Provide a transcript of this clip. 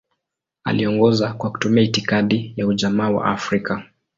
Aliongoza kwa kutumia itikadi ya Ujamaa wa Afrika.